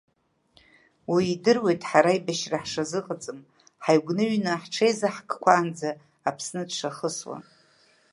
Уи идыруеит ҳара аибашьра ҳшазыҟаҵам, ҳаигәныҩны ҳҽеизаҳкқәаанӡа, Аԥсны дшахысуа.